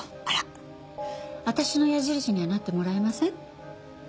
あら私の矢印にはなってもらえません？